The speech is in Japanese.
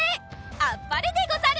あっぱれでござる！